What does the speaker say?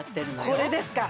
これですか？